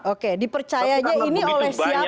oke dipercayanya ini oleh siapa